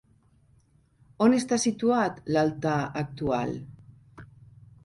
On està situat l'altar actual?